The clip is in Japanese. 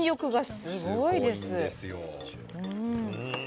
すごいんですよ。